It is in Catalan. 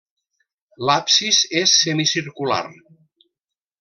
L'absis és semicircular.